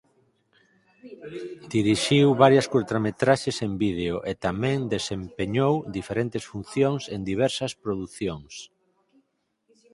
Dirixiu varias curtametraxes en vídeo e tamén desempeñou diferentes funcións en diversas producións.